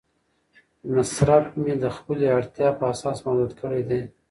مصرف مې د خپلې اړتیا په اساس محدود کړی دی.